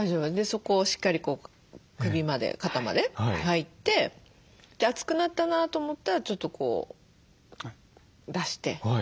そこをしっかりこう首まで肩まで入って熱くなったなと思ったらちょっとこう出して。